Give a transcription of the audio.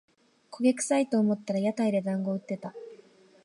焦げくさいと思ったら屋台でだんご売ってた